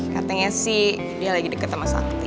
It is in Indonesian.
katanya sih dia lagi dekat sama sakti